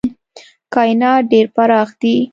کاینات ډېر پراخ دي.